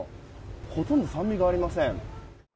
ほとんど酸味がありません。